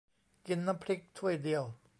กินน้ำพริกถ้วยเดียว